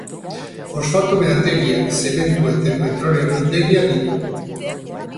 Fosfato meategiak, zementua eta petrolio findegia ditu.